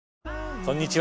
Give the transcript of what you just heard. こんにちは。